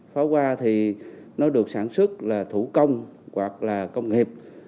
pháo hoa thì nó được sản xuất là thủ công hoặc là công nghiệp